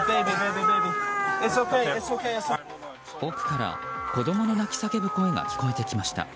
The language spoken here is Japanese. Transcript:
奥から子供の泣き叫ぶ声が聞こえてきました。